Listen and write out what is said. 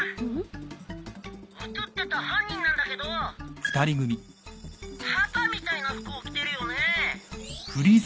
写ってた犯人なんだけどパパみたいな服を着てるよね。